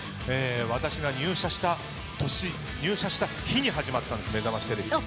私が入社した日に始まったんです「めざましテレビ」。